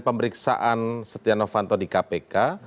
pemeriksaan setia novanto di kpk